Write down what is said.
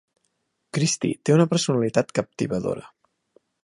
Christy té una personalitat captivadora.